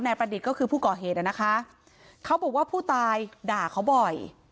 ประดิษฐ์ก็คือผู้ก่อเหตุนะคะเขาบอกว่าผู้ตายด่าเขาบ่อย